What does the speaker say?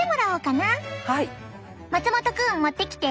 松元くん持ってきて。